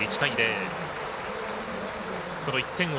１対０。